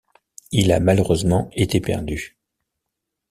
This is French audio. Il a malheureusement été perdu.